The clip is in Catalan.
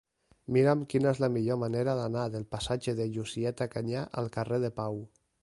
Mira'm quina és la millor manera d'anar del passatge de Llucieta Canyà al carrer de Pau.